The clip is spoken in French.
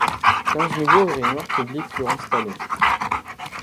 Quinze nouveaux urinoirs publics furent installés.